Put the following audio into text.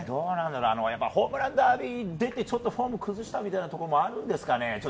ホームランダービー出てちょっとフォーム崩したみたいなところもあるんですかね。